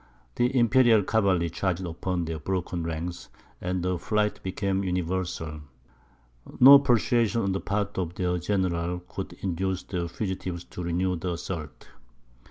The imperial cavalry charged upon their broken ranks, and the flight became universal. No persuasion on the part of their general could induce the fugitives to renew the assault.